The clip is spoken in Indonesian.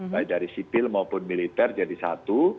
baik dari sipil maupun militer jadi satu